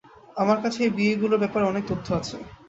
আমার কাছে এই বিয়েগুলোর ব্যাপারে অনেক তথ্য আছে।